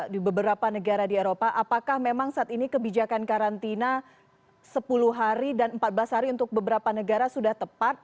di beberapa negara di eropa apakah memang saat ini kebijakan karantina sepuluh hari dan empat belas hari untuk beberapa negara sudah tepat